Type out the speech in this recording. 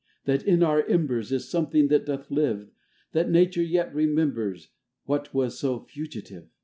that in our embers Is something that doth live, That nature yet remembers What was so fugitive